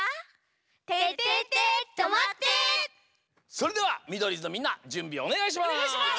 それではミドリーズのみんなじゅんびおねがいします。